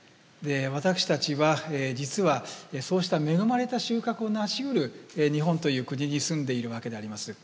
私たちは実はそうした恵まれた収穫を成しうる日本という国に住んでいるわけであります。